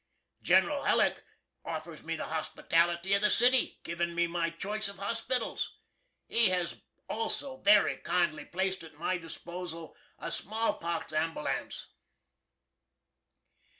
Gin'ral Hulleck offers me the hospitality of the city, givin me my choice of hospitals. He has also very kindly placed at my disposal a smallpox amboolance.